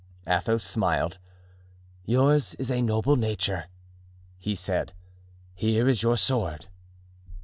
Athos smiled. "Yours is a noble nature." he said; "here is your sword."